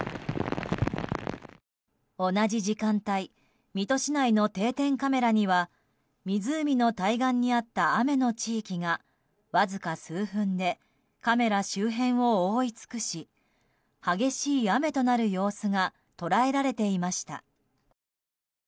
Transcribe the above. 同じ時間帯水戸市内の定点カメラには湖の対岸にあった雨の地域がわずか数分でカメラ周辺を覆い尽くし激しい雨となる様子が捉えられていました。